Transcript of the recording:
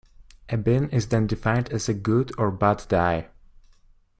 A bin is then defined as a good or bad die.